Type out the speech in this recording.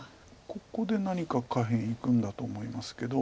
ここで何か下辺いくんだと思いますけど。